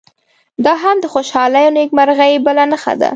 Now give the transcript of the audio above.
دا هم د خوشالۍ او نیکمرغۍ بله نښه ده.